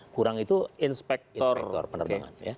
kurang itu inspektor penerbangan